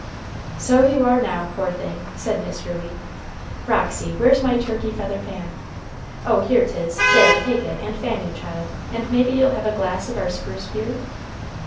"So you are now, poor thing," said Miss Ruey. "Roxy, where's my turkey feather fan? Oh, here 'tis; there, take it, and fan you, child; and maybe you'll have a glass of our spruce beer?"